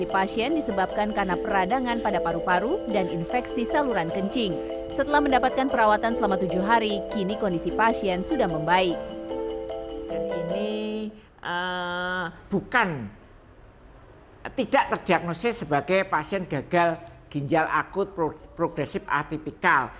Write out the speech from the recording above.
pasien ini bukan tidak terdiagnosis sebagai pasien gagal ginjal akut progresif atipikal